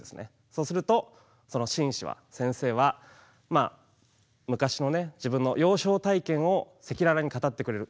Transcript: そうすると、その先生は昔のね、自分の幼少体験を赤裸々に語ってくれる。